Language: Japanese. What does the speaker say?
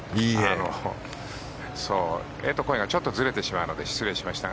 画と声がちょっとずれてしまうので失礼しました。